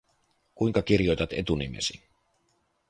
Kuinka kirjoitat etunimesi?